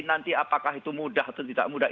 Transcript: nanti apakah itu mudah atau tidak mudah